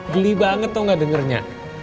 geli banget tuh gak dengernya